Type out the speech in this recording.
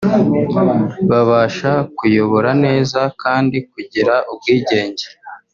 babasha kuyobora neza kandi bagira ubwigenge